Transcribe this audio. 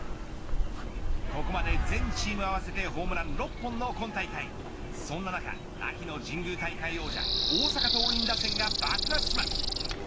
ここまで全チームを合わせてホームラン６本の今大会そんな中、秋の神宮大会王者大阪桐蔭打線が爆発します。